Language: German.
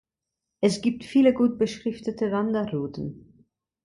Es gibt viele gut beschriftete Wanderrouten.